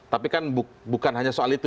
tapi kan bukan hanya soal itu